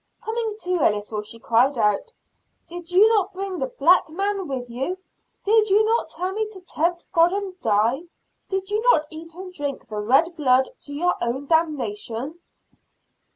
Coming to a little, she cried out: "Did you not bring the black man with you? Did you not tell me to tempt God and die? Did you not eat and drink the red blood to your own damnation?"